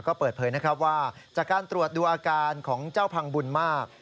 ก็เปิดเผยนะครับว่าจากการตรวจดูอาการของเจ้าพังบุญมาก